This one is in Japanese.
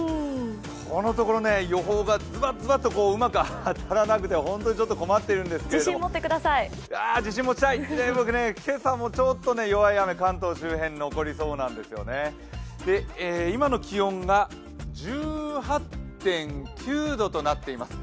このところ、予報がズバ、ズバとうまく当たらなくて本当に困っているんですけれども、自信持ちたい、今日も弱い雨、関東周辺に残りそうなんですよね。今の気温が１８．９度となっています。